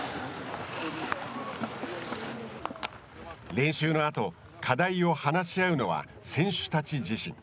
練習のあと課題を話し合うのは選手たち自身。